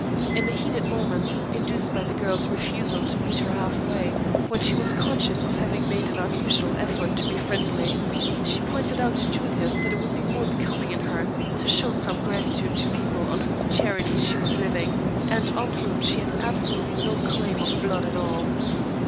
In a heated moment, induced by the girl's refusal to meet her half way when she was conscious of having made an unusual effort to be friendly, she pointed out to Juliet that it would be more becoming in her to show some gratitude to people on whose charity she was living, and on whom she had absolutely no claim of blood at all.